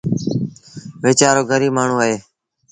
ويچآرو گريٚب مآڻهوٚٚݩ اهي۔